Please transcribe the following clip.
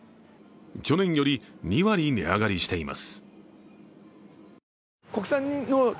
去年より２割値上がりしています。